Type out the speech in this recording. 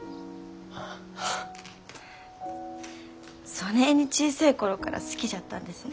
そねえに小せえ頃から好きじゃったんですね。